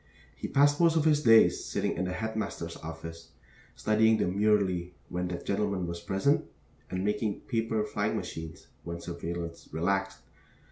He passed most of his days sitting in the headmaster's office, studying demurely when that gentleman was present, and making paper flying machines when surveillance relaxed.